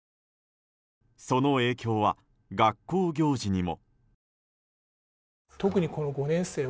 その影響は学校行事にも。